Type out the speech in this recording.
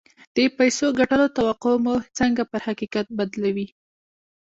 د پيسو ګټلو توقع مو څنګه پر حقيقت بدلوي؟